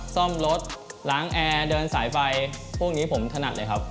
ซ่อมรถล้างแอร์เดินสายไฟพวกนี้ผมถนัดเลยครับ